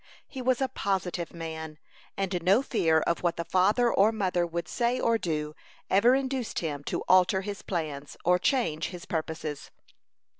He was a "positive man," and no fear of what the father or mother would say or do ever induced him to alter his plans, or change his purposes.